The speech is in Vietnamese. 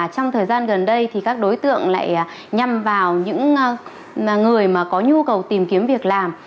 trong thời gian gần đây thì các đối tượng lại nhằm vào những người mà có nhu cầu tìm kiếm việc làm